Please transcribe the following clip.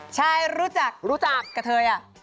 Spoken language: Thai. ใช่รู้จักรู้จักกับเธอ